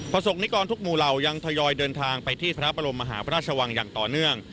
สกนิกรทุกหมู่เหล่ายังทยอยเดินทางไปที่พระบรมมหาพระราชวังอย่างต่อเนื่อง